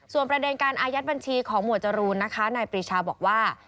ประเด็นการอายัดบัญชีของหมวดจรูนนะคะนายปรีชาบอกว่า